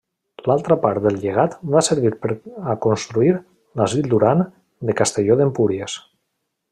L'altra part del llegat va servir per a construir l'Asil Duran de Castelló d'Empúries.